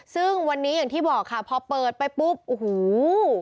ซึ่งวันนี้อย่างที่บอกค่ะพอเปิดไปปุ๊บโอ้โห